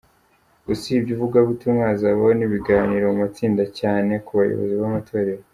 Usibye ivugabutumwa, hazabaho n’ibiganiro mu matsinda cyane ku bayobozi by’amatorero.